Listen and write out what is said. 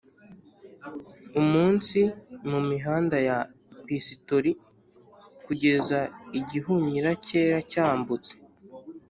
umunsi, mumihanda ya pisitori, kugeza igihunyira cyera cyambutse